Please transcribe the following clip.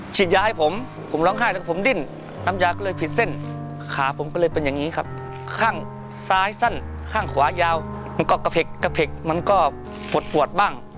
ฉีดยาให้ผมผมร้องไห้แล้วผมดิ้นน้ำยาก็เลยผิดเส้นขาผมก็เลยเป็นอย่างนี้ครับข้างซ้ายสั้นข้างขวายาวมันก็กระเพกมันก็ปวดปวดบ้าง